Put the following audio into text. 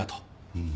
うん。